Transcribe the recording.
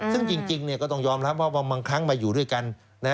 ซึ่งจริงก็ต้องยอมรับว่าบางครั้งมาอยู่ด้วยกัน